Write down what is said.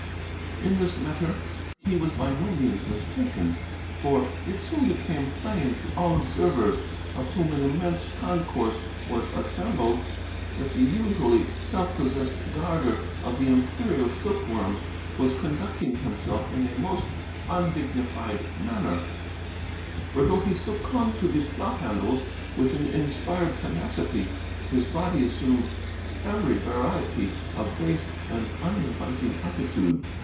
In this matter he was by no means mistaken, for it soon became plain to all observers of whom an immense concourse was assembled that the usually self possessed Guarder of the Imperial Silkworms was conducting himself in a most undignified manner; for though he still clung to the plough handles with an inspired tenacity, his body assumed every variety of base and uninviting attitude.